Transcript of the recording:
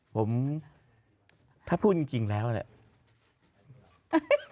ผมถ้าพูดจริงแล้วเนี่ย